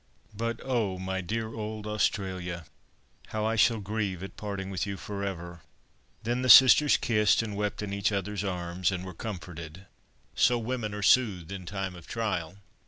But, oh! my dear old Australia! how I shall grieve at parting with you for ever!" Then the sisters kissed, and wept in each other's arms, and were comforted—so women are soothed in time of trial.